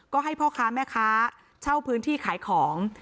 ก็ให้พ่อค้าแม่ค้าเช่าพื้นที่ขายของ